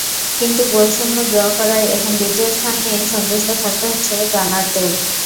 কিন্তু গোলশূন্য ড্র করায় এখন দ্বিতীয় স্থান নিয়েই সন্তুষ্ট থাকতে হচ্ছে গানারদের।